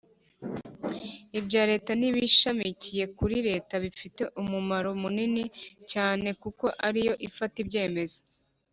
ibya Leta n ibishamikiye kuri Leta bifite umumaro munini cyane kuko ariyo ifata ibyemezo